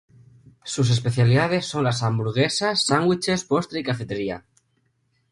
Sus especialidades son las hamburguesas, sándwiches, postres y cafetería.